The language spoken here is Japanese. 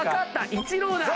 イチローだ。